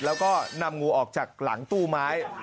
แล้วก็นำงูออกจากหลังตู้ไม้